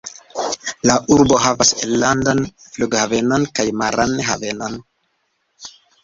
La urbo havas enlandan flughavenon kaj maran havenon.